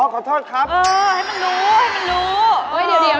อ๋อขอโทษครับเออให้มันรู้ให้มันรู้